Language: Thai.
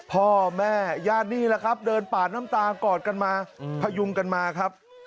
พ่อแม่ญาตินี่แหละครับเดินปาดน้ำตากอดกันมาพยุงกันมาครับ